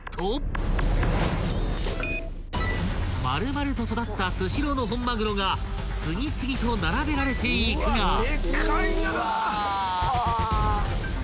［丸々と育ったスシローの本マグロが次々と並べられていくが］